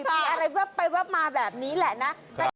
มีอะไรเพื่อไปมาแบบนี้แหละนะ